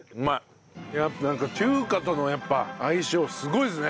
なんか中華とのやっぱ相性すごいですね！